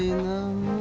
もう。